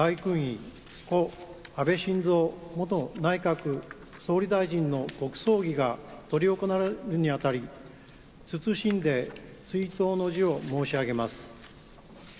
故・安倍晋三元内閣総理大臣の国葬儀が執り行われるに当たり謹んで追悼の辞を申し上げます。